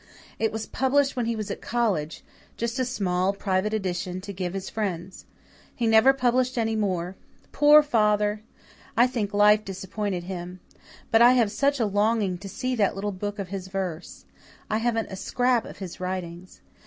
It was published when he was at college just a small, private edition to give his friends. He never published any more poor father! I think life disappointed him. But I have such a longing to see that little book of his verse. I haven't a scrap of his writings.